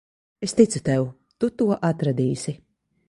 Es ticu tev. Tu to atradīsi.